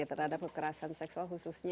terhadap kekerasan seksual khususnya